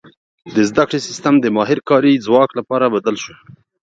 • د زده کړې سیستم د ماهر کاري ځواک لپاره بدل شو.